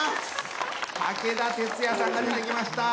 武田鉄矢さんが出てきました。